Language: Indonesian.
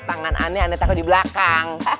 tangan anne yang aku taruh di belakang